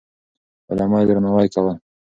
علما يې درناوي کول.